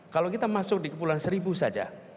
kalau kita masuk di kepulauan seribu saja